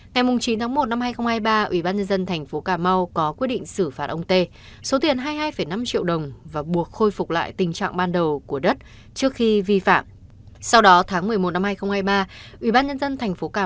ngày chín tháng một năm hai nghìn hai mươi ba ubnd tp cà mau có quyết định xử phạt ông tê số tiền hai mươi hai năm triệu đồng và buộc khôi phục lại tình trạng